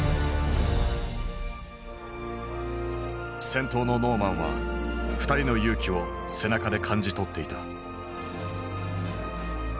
先頭のノーマンは２人の勇気を背中で感じ取っていた。